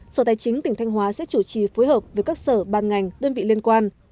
sở tài chính tỉnh thanh hóa sẽ chủ trì phối hợp với các sở ban ngành đơn vị liên quan